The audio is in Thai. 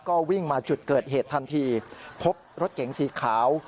ก็วิ่งมาจุดเกิดเหตุทันทีพบรถเก๋งสีขาว